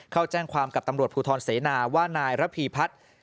เข้าแจ้งความกับตำรวจภูทรเสนาว่านายระพีพัฒน์